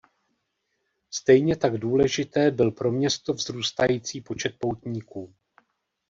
Stejně tak důležité byl pro město vzrůstající počet poutníků.